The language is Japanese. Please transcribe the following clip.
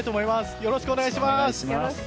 よろしくお願いします。